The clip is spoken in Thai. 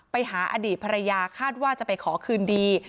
ไปหาอดีตภรรยาคาดว่าจะไปขอคืนดี